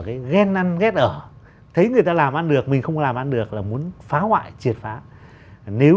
cái ghen năn ghét ở thấy người ta làm ăn được mình không làm ăn được là muốn phá hoại triệt phá nếu